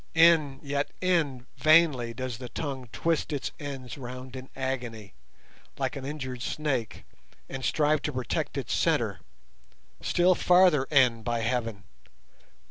In, yet in, vainly does the tongue twist its ends round in agony, like an injured snake, and strive to protect its centre; still farther in, by Heaven!